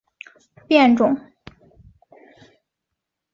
短柄川中南星为天南星科天南星属川中南星的变种。